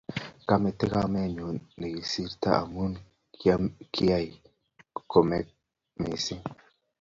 kamete kamugenyu ne kikertoi amu kiaee komek mising